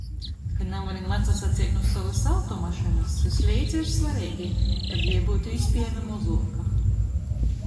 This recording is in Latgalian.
Ka navarim atsasaceit nu sovys automašynys, vysleidza ir svareigi, kab jei byutu īspiejami mozuoka.